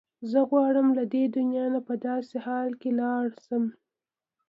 زه غواړم له دې دنیا نه په داسې حال کې لاړه شم.